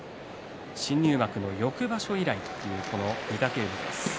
新入幕の翌場所以来という御嶽海です。